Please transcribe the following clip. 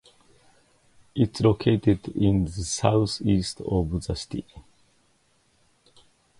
It is located in the south east of the city.